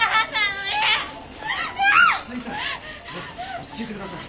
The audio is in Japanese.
落ち着いてください。